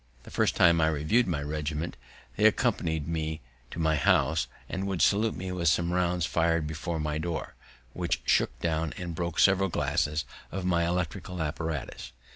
The first time I reviewed my regiment they accompanied me to my house, and would salute me with some rounds fired before my door, which shook down and broke several glasses of my electrical apparatus.